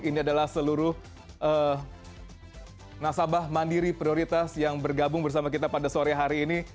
ini adalah seluruh nasabah mandiri prioritas yang bergabung bersama kita pada sore hari ini